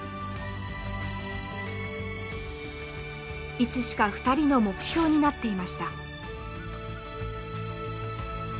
いつしか２人の目標になっていました。